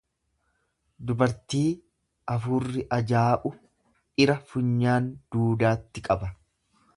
Dubartii afuurri ajaa'u dhira funyaan duudaatti qaba.